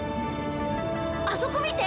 ◆あそこ見て！